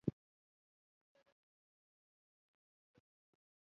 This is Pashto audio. آزاد تجارت مهم دی ځکه چې فابریکې زیاتوي.